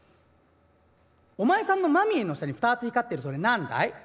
「お前さんの眉の下に２つ光ってるそれ何だい？